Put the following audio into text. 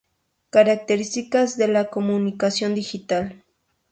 Características de la comunicación Digital